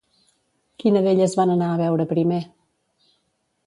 Quina d'elles van anar a veure primer?